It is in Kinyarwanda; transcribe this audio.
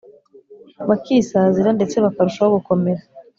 bakisāzira ndetse bakarushaho gukomera’